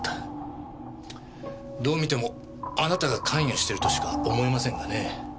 どう見てもあなたが関与してるとしか思えませんがね。